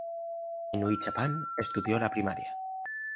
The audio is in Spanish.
En Huichapan estudió la primaria.